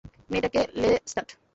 মেয়েটাকে, লেস্ট্যাট!